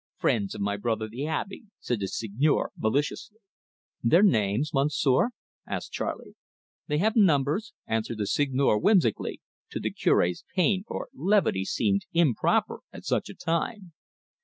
"Friends of my brother the Abbe," said the Seigneur maliciously. "Their names, Monsieur?" asked Charley. "They have numbers," answered the Seigneur whimsically to the Cure's pain, for levity seemed improper at such a time.